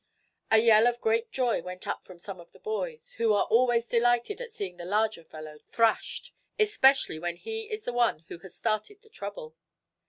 A yell of great joy went up from some of the boys, who are always delighted at seeing the larger fellow thrashed, especially when he is the one who has started the trouble.